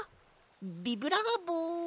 ビブラーボ。